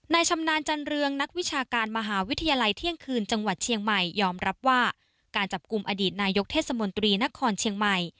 ชำนาญจันเรืองนักวิชาการมหาวิทยาลัยเที่ยงคืนจังหวัดเชียงใหม่ยอมรับว่าการจับกลุ่มอดีตนายกเทศมนตรีนครเชียงใหม่